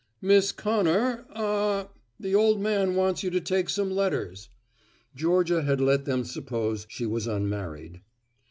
"Miss Connor," a a ah "the old man wants you to take some letters." (Georgia had let them suppose she was unmarried.)